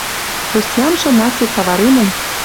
Пусть ямшы насек таваремӹн